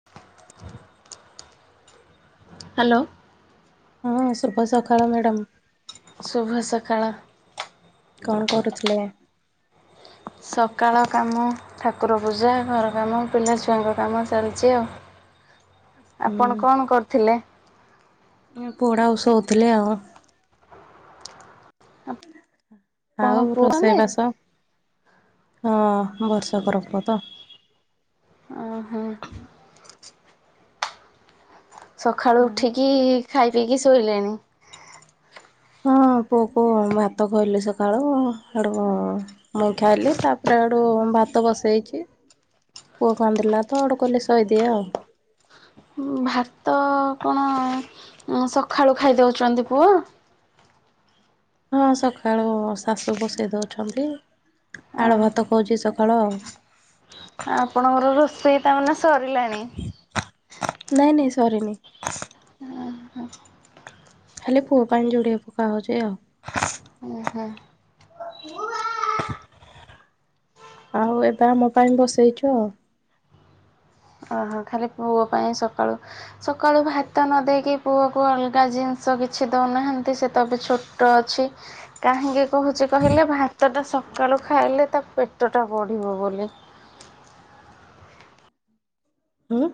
[unintelligible] Hello. ହଁ ଶୁଭ ସକାଳ ମ୍ୟାଡାମ୍। ଶୁଭ ସକାଳ। କଣ କରୁଥିଲେ? ସକାଳ କାମ ଠାକୁର ପୂଜା ଘର କାମ ପିଲାଛୁଆଙ୍କ କାମ ଚାଲିଛି ଆଉ [unintelligible] ଆପଣ କଣ କରୁଥିଲେ? ମୁଁ ପୁଅଟାକୁ ସୋଉଥିଲି ଆଉ ଆପଣ ଆଉ ପୁଅ ରୋଷେଇ ମାନେ? ବାସ ହଁ ବର୍ଷା କରବତ ଓ ଆଁ ହା। ସକାଳୁ ଉଠିକି ଖାଇ ପିଇକି ଶୋଇଲେଣି। ହଁ ପୁଅକୁୁ ଭାତ ଖୋଇଲି ସକାଳୁ ହେଥୁ ମୁଁ ଖାଇଲି ତାପରେ ଆଡୁ ଭାତ ବସେଇଛି ପୁଅ କାନ୍ଦିଲା ତ ଆଡେ କହିଲି ସୋଇଦିଏ ଆଉ ହୁଁ ଭାତ କଣ? ସଖାଳୁ ଖାଇଦଉଛନ୍ତି ପୁଅ? ହଁ ସଖାଳୁ ଶାଶୁ ବଷେଇ ଦଉଛନ୍ତି ଓ ଆଳୁ ଭାତ ଖୋଉଛି ସକାଳୁ ଆଉ ଆପଣଙ୍କର ରୋଷେଇ ତାମାନେ ସରିଲାଣି। ନାଇଁ ନାଇଁ ସରିନି। ଆ ହ। ଖାଲି ପୁଅ ପାଣି ଯୋଡିଏ ପକା ହଉଛି ଆଉ। ଓ ହୋ। ପୁଅ। ଆଉ ଏବେ ଆମ ପାଇଁ ବସେଇଛୁ ଆଉ ହଁ ଖାଲି ପୁଅ ପାଇଁ ସକାଳୁ ସକାଳୁ ଭାତ ନ ଦେଇକି ପୁଅକୁ ଅଲଗା ଜିନିଷ କିଛି ଦଉନାହାନ୍ତି ସେ ଏବେ ଛୋ ଛୋଟ ଅଛି। କାହିଁକି କହୁଛି କହିଲେ ଭାତଟା ସକାଳୁ ଖାଇଲେ ତା ପେଟ ଟା ବଢିବ ବୋଲି। ହୁଁ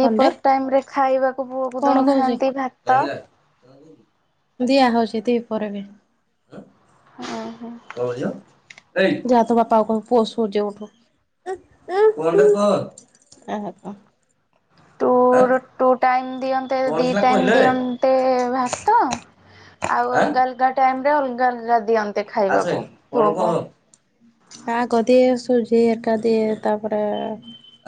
କଣଟେ? ଟାଇମରେ ଖାଇବାକୁ ପୁଅକୁ କଣ କହୁଛି? ଦଉନାହାନ୍ତି ଭାତ। ଦିଆ ହଉଛି ଦ୍ଵିପହର ବି। ଯାହା ତୋ ବାପାକୁ କହିବୁ ପୁଅ ଶୋଉଛି ଉଠୁ। ଏହା କଣ? [inaudible] ଟୁ ଟାଇମ୍ ଦିଅନ୍ତୁ। ମତେ କଣ ଦି ସିନା ଟାଇମ୍ କହିଲେ ଦିଅନ୍ତେ ଭାତ ଆଉ ଆଁ ଅଲଗା ଅଲଗା ଟା ଟାଇମରେ ଅଲଗା ଅଲଗା ଦିଅନ୍ତେ ଖାଇବାକୁ ପୁଅକୁ ଆ ଗଦି ସୁଜି ହେରକା ଦିଏ ତାପରେ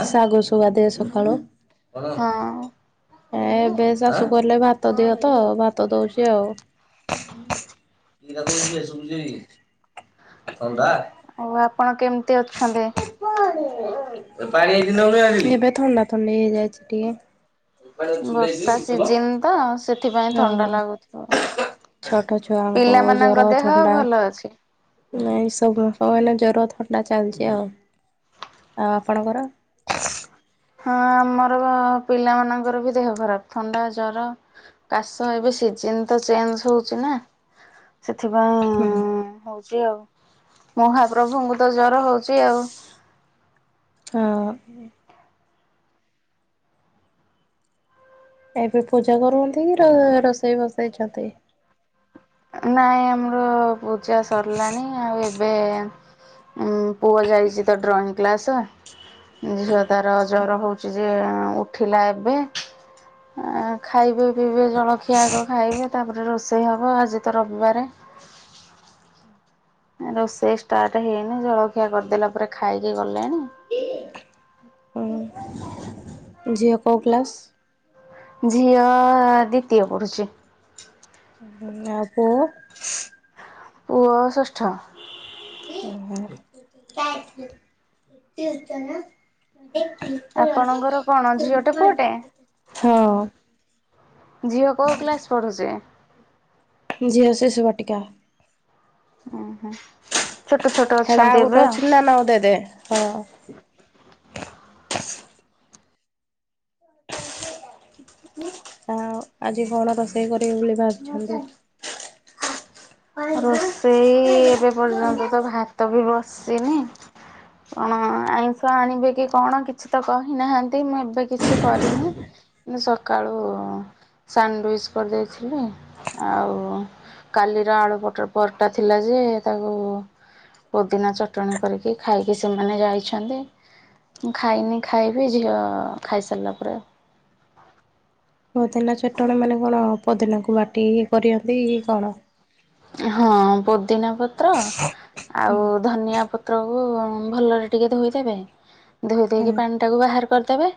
ଆ ଶାଗୁଶୁଗା ଦିଏ ସକାଳୁ। ହଁ ଏବେ ଶାଶୁ କହିଲେ ଭାତ ଦିଅ ତ ଭାତ ଦଉଛି ଆଉ [inaudible] ଆ ଥଣ୍ଡା। ଆଉ ଆପଣ କେମିତି ଅଛନ୍ତି? ଏବେ ଥଣ୍ଡା ଥଣ୍ଡି ହେଇଯାଇଛି ଟିକେ। ବର୍ଷା ହଁ ସିଜନ ତ ସେ ସେଥିପାଇଁ ଥଣ୍ଡା ଲାଗୁଥିବ ଛୋଟ ଛୁଆଙ୍କୁ ପିଲାମାନଙ୍କ ଦେହ ଭଲ ଅଛି? ନାଇଁ ସବୁ ଜର ଥଣ୍ଡା ଚାଲିଛି ଆଉ ଆଉ ଆପଣଙ୍କର? ହଁ ଆମର ପିଲାମାନାନଙ୍କର ବି ଦେହ ଖରାପ ଥଣ୍ଡା ଜର। କାଶ ଏବେ ସିଜନ ତ ଚେଞ୍ଜ ହଉଚି ନା ସେଥିପାଇ। ହୁଁ। ହୁଁ ହଉଛି ଆଉ ମହାପ୍ରଭୁଙ୍କୁ ତ ଜର ହଉଛି ଆଉ ହଁ। ଏବେ ପୂଜା କରୁଛନ୍ତି କି ରୋଷେଇ ବସେଇଛନ୍ତି? ନାଇଁ ଆମର ପୂଜା ସରିଲାଣି ଆଉ ଏବ ଏବେ ଉ ପୁଅ ଯାଇଛି ତ ଡ୍ରଇଂ କ୍ଲାସ। ଝିଅ ତାର ଜ୍ଵର ହଉ ଯେ ଉଠିଲା ଏବେ ହାଁ ଖାଇବେ? ଏବେ ଜଳଖିଆ ଆଗେଖାଇବେ ତାପରେ ରୋଷେଇ ହେବ ଆଜି ତ ରବିବାର। ରୋଷେଇ ଷ୍ଟାର୍ଟ ହେଇନି ଜଳଖିଆ କରିଦେଲା ପରେ ଖାଇକି ଗଲେଣି। ଏ ହୁଁ ଝିଅ କୋଉ କ୍ଲାସ? ଝିଅ ଦ୍ଵିତୀୟ ପଢୁଛି। ଉଁ ଆଉ ପୁଅ? ପୁଅ ଷଷ୍ଠ। ହୁଁ ହୁଁ। ଆପଣଙ୍କର କଣ ଝିଅଟେ ପୁଅଟେ? ହଁ। ଝିଅ କୋଉ କ୍ଲାସ୍ ପଢ଼ୁଛି? ଝିଅ ଶିଶୁ ବାଟିକା। ଅ ହଁ। ହେଡା ଆଉ ଗୋଟେ ଅଛି ନ ନଉ ଦେ ଦେ ହଁ। ଆ ଆଜି କଣ ରୋଷେଇ କରିବେ ବୋଲି ଭାବିଛନ୍ତି? ରୋଷେଇ ଏବେ ପର୍ଯ୍ୟନ୍ତ ତ ପୋଦିନା ଭାତ ବି ବସିନି। କଣ ଆଇଁଷ ଆଣିବେ କି କଣ କିଛି ତ କହିନାହାନ୍ତି ମୁଁ ଏବେ କିଛି କରିନି। [inaudible] କିନ୍ତୁ ସକାଳୁ ସାଣ୍ଡୱିଚ୍ କରିଦେଇଥିଲି ଆଉ କାଲିର ଆଳୁ ପରଟା ଥିଲା ଯେ ତାକୁ ପୁଦିନା ଚଟଣୀ କରିକି ଖାଇକି ସେମାନେ ଯାଇଛନ୍ତି। ମୁଁ ଖାଇନି ଖାଇବି ଝିଅ ଖାଇସାରିଲା ପରେ। ପୋଦିନା ଚଟଣି ମାନେ କଣ ପୋଦିନାକୁ ବାଟି କି କରିଛନ୍ତି କି କଣ? ହଁ ପୋଦିନା ପତ୍ର ଆଉ ଧନିଆ ପତ୍ରକୁ ଭଲରେ ଟିକେ ଧୋଇଦବେ ଧୋଇ ହଁ ଦେଇକି ପାଣି ତାକୁ ବାହାର କରିଦେବେ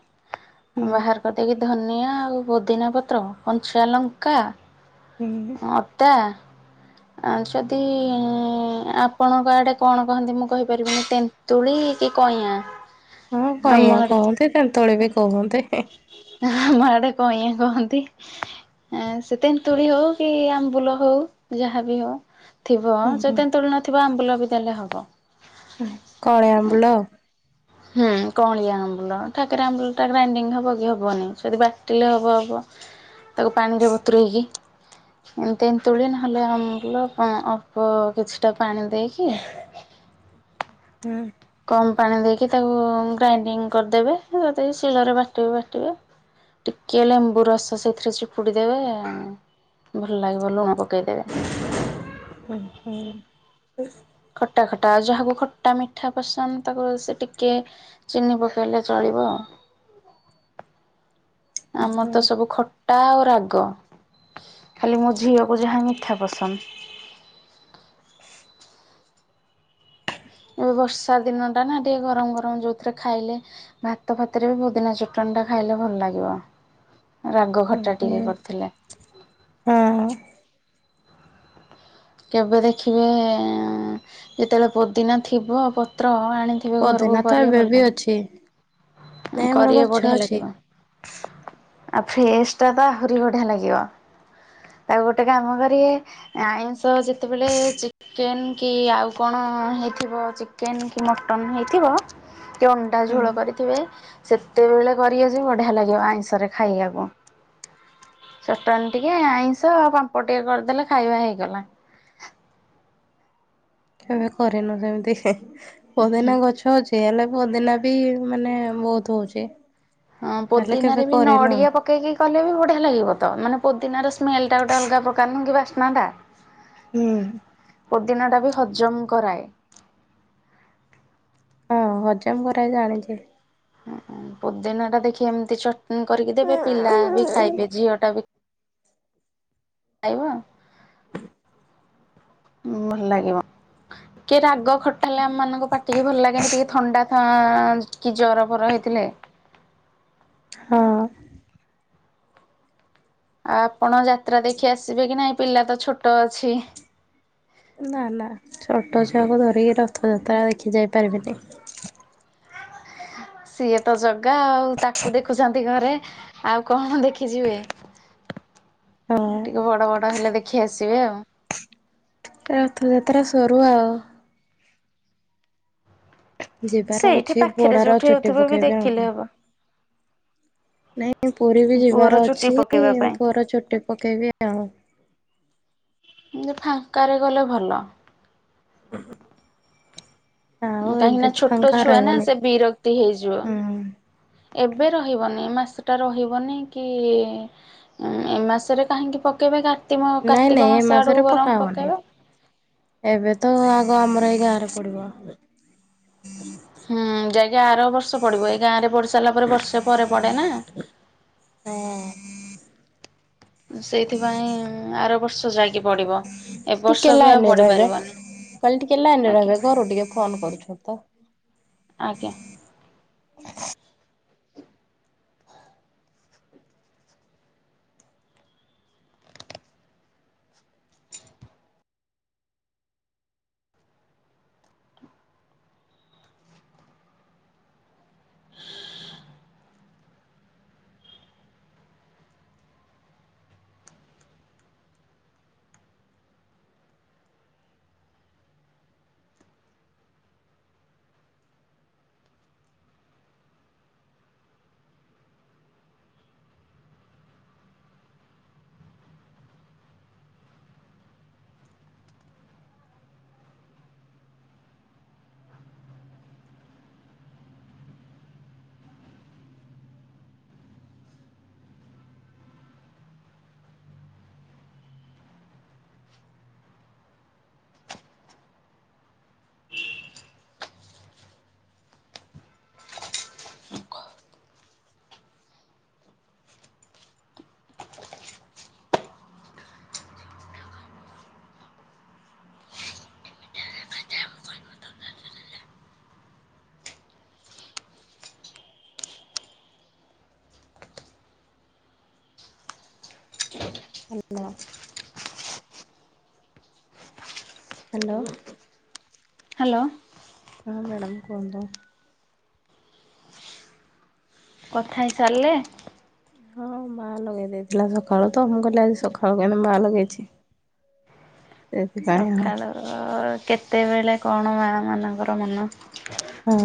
ହୁଁ ବାହାର କରିଦେଇକି ଧନିଆ ଆଉ ପୋଦିନା ପତ୍ର କଞ୍ଚା ଲଙ୍କା। ହୁ ହୁ ହୁ। ଅଦା। ଆଉ ଯଦି ଆପଣଙ୍କ ଆଡେ କଣ କହନ୍ତି ମୁଁ କହିପାରିବିନି ତେନ୍ ତୁଳି କି କଇଁଆ। ହୁଁ ଆମ କଇଁଆ ଆଡ଼େ ତ କହନ୍ତି ତନ୍ତୁଳି ବି କୁହନ୍ତି। ଆମ ଆଡେ କଇଁଆ କହନ୍ତି ସେ ତେନ୍ତୁଳି ହଉ କି ଆମ୍ବୁଲ ହଉ ଯାହାବି ହଉ ଥିବ ହୁଁ ହୁଁ ଯଦି ତେନ୍ତୁଳି ନଥିବ ଆମ୍ବୁଲ ବି ଦେଲେ ହବ। କଅଁଳି ଆମ୍ବୁଲ ଆଉ। ହୁଁ କଅଁଳିଆ ଆମ୍ବୁଲ ଠାକରା ଆମ୍ବୁଲଟା ଗ୍ରାଇଣ୍ଡିଙ୍ଗ ହବ କି ହବନି ଯଦି ବାଟିଲେ ହବ ହବ? [inaudible] ତାକୁ ପାଣିରେ ବତୁରେଇକି କି ଏ ତେନ୍ତୁଳି ନହେଲେ ଆମ୍ବୁଲ ପା ଅଳ୍ପ କିଛିଟା ପାଣି ଦେଇକି [inaudible] ହୁଁ। କମ ପାଣି ଦେଇକି ତାକୁ ଗ୍ରାଇଣ୍ଡିଙ୍ଗ କରିଦେବେ ଯଦି ଶିଳରେ ବାଟିବେ ବାଟିବେ। ଟିକେ ଲେମ୍ବୁ ରସ ସେଥିରେ ଚିପୁଡି ଦେବେ ଭଲ ଲାଗିବ ଲୁଣ ପକେଇଦେବେ। ଉଁ ହୁଁ। ଖଟା ଖଟା ଆଉ ଯାହାକୁ ଖଟା ମିଠା ପସନ୍ଦ ତାକୁ ସେ ଟିକେ ଚିନି ପକେଇଲେ ଚଳିବ ଆଉ [inaudible] ଆମର ତ ସବୁ ଖଟା ଆଉ ରାଗ। ଖାଲି ମୋ ଝିଅକୁ ଯାହା ମିଠା ପସନ୍ଦ। [inaudible] ଏବେ ବର୍ଷା ଦିନଟା ନା ଟିକେ ଗରମ ଗରମ ଯୋଉଥିରେ ଖାଇଲେ ଭାତ ଫାତରେ ବି ପୁଦିନା ଚଟଣିଟା ଖାଇଲେ ଭଲ ଲାଗିବ। ରାଗ ଖଟା ଟିକେ କରିଥିଲେ। ତା। କେବେ ଦେଖିବେ ଏ ଯେତେବେଳେ ପୋଦିନା ଥିବ ପତ୍ର ଆଣି କେବେ ଘରକୁ ପୋଦିନା ଗଲେ ତ କରିବ ଏବେ ଭଲ ବି ଲାଗେ। ଅଛି ନାଇଁ ଆମର କରିବେ ଗଛ ବଢିଆ ଅଛି ଲାଗିବ ଆଉ ଫ୍ରେଶଟା ତ ଆହୁରି ବଢିଆ ଲାଗିବ। ଆଉ ଗୋଟେ କାମ କରିବେ ଆଇଁଷ ଯେତେବେଳେ ଚିକ୍ ଚିକେନ କି ଆଉ କଣ ହେଉଥିବ ଚିକେନ କି ମଟନ ହେଇଥିବ କି ଅଣ୍ଡା ଝୋଳ ହୁଁ କରି ଥିବେ ସେତେବେଳେ କରି ଆସି ବଢିଆ ଲାଗିବ ଆଇଁଷରେ ଖାଇବାକୁ। ଚଟଣି ଟିକେ ଆଇଁଷ ଆଉ ପାମ୍ପଡ ଟିକେ କରିଦେଲେ ଖାଇବା ହେଇଗଲା। କେବେ କରିନୁ ସେମିତି ପୋଦିନା ଗଛ ଅଛି। ସେ ହେଲେ ପୋଦିନା ବି ମାନେ ବହୁତ ହଉଛି। ହଁ ହେଲେ କେବେ ପୋଦିିନାରେ ବି କରିନୁ ନଡିଆ ପ ପକେଇକି କଲେ ବି ବଢିଆ ଲାଗିବ ତ ମାନେ ପୋଦିନାର ସ୍ମେଲଟା ଗୋଟେ ଅଲଗା ପ୍ରକାର ନୁହ କି ବାସ୍ନାଟା। ହୁଁ। ପୋଦିନାଟା ବି ହଜମ କରାଏ। ହଁ ହଜମ କରାଏ ଜାଣିଛି। ହାଁ ପୋଦିନାଟା ଦେଖି ଏମିତି ଚଟଣି କରିକି ଦେବେ ପିଲା ବି ଖାଇବେ ଝିଅଟା ବି ଖାଇବ ଭଲ ଲାଗିବ। କି ରାଗ ଖଟା ହେଲେ ଆମ ମାନଙ୍କ ପାଟିକି ଭଲ ଲାଗେନି ଟିକେ ଥଣ୍ଡା ଥାଆ କି ଜର ଫର ହେଇଥିଲେ। ହଁ। ଆଁ ଆପଣ ଯାତ୍ରା ଦେଖି ଆସିବେ କି ନାହିଁ ପିଲା ତ ଛୋଟ ଅଛି। ନା ନା ଛୋଟ ଛୁଆକୁ ଧରିକି ରଥଯାତ୍ରା ଦେଖି ଯାଇ ପାରିବିନି। ସିଏ ତ ଜଗା ଆଉ ତାକୁ ଦେଖୁଛନ୍ତି ଘରେ ଆଉ କଣ ଦେଖିଯିବେ? [unintelligible] ଟିକେ ବଡ଼ ବଡ଼ ହେଲେ ଦେଖି ଆସିବେ ଆଉ? ରଥଯାତ୍ରା ସରୁ ଆଉ ଯିବାର ସେଇଠି ଅଛି ପାଖରେ ପୁଅଟାର ଯୋଉଠି ଚୁଟି ହେଉଥିବ ବି ପକେଇବବା ଦେଖିଲେ ଆଉ ହବ ନାଇଁ ପୁରୀ ବି ପୁଅର ଯିବାର ଚୁଟି ଅଛି ପକେଇବା ପାଇଁ। ପୁଅର ଚୁଟି ପକେଇବି ଆଉ କିନ୍ତୁ ଫାଙ୍କାରେ ଗଲେ ଭଲ। ହୁଁ ହୁଁ କାହିଁକି ନା ଛୋଟ ଛୁଆ ନା ରହିବନି ସେ ବିରକ୍ତି ହେଇଯିବ। ହୁଁ। ଏବେ ରହିବନି ମାସେଟା ରହିବନି କି? ଉଁ ଏ ମାସରେ କାହିଁକି ପକେଇବେ କାର୍ତ୍ତିମ ନାଇଁ କାର୍ତ୍ତିକ ନାଇଁ ଏ ମାସ ମାସରେ ଆଡକୁ ପକା ବରଂ ହବନି ପକେଇବେ। ଏବେ ତ ଆଗ ଆମର ଏଇ ଗାଁରେ ପଡିବ। ହୁଁ ଯାଇକି ଆର ବର୍ଷ ପଡିବ ଏଇ ଗାଁ ରେ ପଢି ସାରିଲା ପରେ ବର୍ଷେ ପରେ ପଡେ ନା। ହୁଁ। ସେଇଥିପାଇଁ ଆର ବର୍ଷ ଯାଇକି ପଡ଼ିବ। ଟିକେ ଲାଇନରେ ରହିବେ କହିଲି ଟିକେ ଲାଇନରେ ଆଜ୍ଞା ରହିବେ ଘରୁ ଟିକେ ଫୋନ କରୁଛନ୍ତି ତ। ଆଜ୍ଞା। [unintelligible] ହାଲୋ। ହାଲୋ। ହାଲୋ। ହଁ ମ୍ୟାଡ଼ମ କୁହନ୍ତୁ? କଥା ହେଇ ସାରିଲେ। ହଁ ମା ଲଗେଇ ଦେଇଥିଲା ସକାଳୁ ତ ମୁଁ କହିଲି ଆଜି ସକାଳୁ କାଇଁ ମା ଲଗେଇଛି? ହଁ ସକାଳୁ କେତେବେଳେ କଣ ମାଆ ମାନଙ୍କର ମନ। ହୁଁ।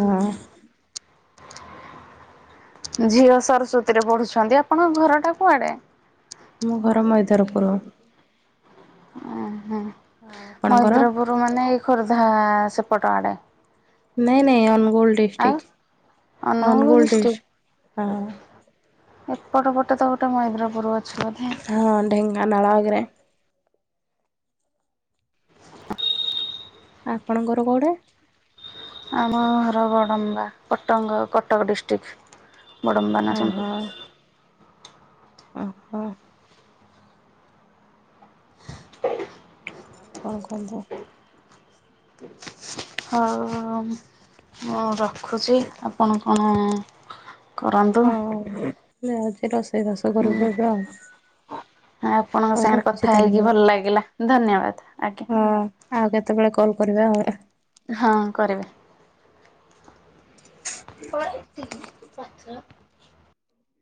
ଝିଅ ସରସ୍ଵତୀରେ ପଢୁଛନ୍ତି ଆପଣଙ୍କ ଘରଟା କୁଆଡେ? ମୋ ଘର ମଇଦରପୁର। ଆଉ ଆପଣଙ୍କର ମଇଦ୍ରପୁର ମାନେ ଏଇ ଖୋର୍ଦ୍ଧା ସେପଟ ଆଡେ। ନାଇଁ ନାଇଁ ଅନଗୁଳ ଆଉ district Angul Angul district dist ହଁ। ଏପଟ ପଟେ ତ ଗୋଟେ ମଇଦ୍ରପୁର ଅ ହଁ ଅ ଢେଙ୍ଗାନାଳ ଆଗରେ। ଆପଣଙ୍କର କୋଉଠେ? ଆମ ଘର ବଡ଼ମ୍ବା କଟଙ୍ଗ କଟକ ଡିଷ୍ଟିକ ବଡ଼ମ୍ବା ନରସିଂହପୁର। ଅ ହ। ଆଉ କଣ କୁହନ୍ତୁ? ହଉ ମୁଁ ରଖୁଚି ଆପଣ କଣ କରନ୍ତୁ। ଯାଉଜି ରୋଷେଇ ବାସ କରିବୁ ଏବେ ଆଉ ହଁ ଆପଣଙ୍କ ହଉ ସାଙ୍ଗରେ ରଖୁଛି କଥା ତାହେଲେ ହେଇକି ମ୍ୟାଡ଼ାମ। ଭଲ ଲାଗିଲା ଧନ୍ୟବାଦ ଆଜ୍ଞା। ହଁ ଆଉ କେତେବେଳେ କଲ୍ କରିବେ ଆଉ ରା ହଁ କରିବି। ହୋଏ ଇତି। ପାତ୍ର।